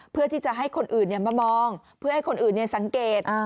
เพื่อที่จะให้คนอื่นมามองเพื่อให้คนอื่นสังเกต